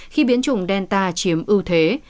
khiến tiêm chủng delta chiếm ưu thế